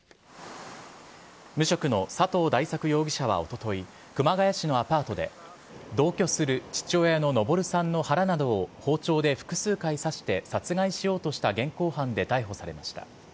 無職の佐藤大作容疑者はおととい、熊谷市のアパートで同居する父親の登さんの腹などを包丁で複数回刺して殺害しようとした現行犯で逮捕されました。